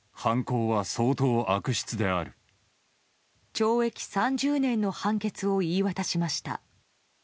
懲役３０年の判決を言い渡しました。